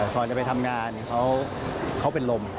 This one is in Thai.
พอได้ไปทำงานเขาเป็นลม